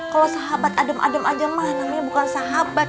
kalau sahabat adem adem aja mah namanya bukan sahabat